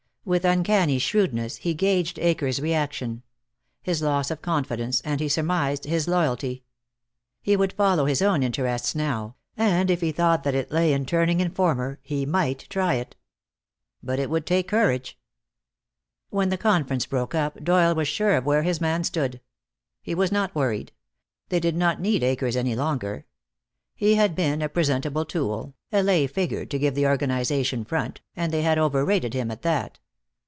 With uncanny shrewdness he gauged Akers' reaction; his loss of confidence and, he surmised, his loyalty. He would follow his own interest now, and if he thought that it lay in turning informer, he might try it. But it would take courage. When the conference broke up Doyle was sure of where his man stood. He was not worried. They did not need Akers any longer. He had been a presentable tool, a lay figure to give the organization front, and they had over rated him, at that.